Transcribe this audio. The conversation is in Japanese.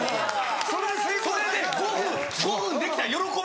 それで５分できたら喜び！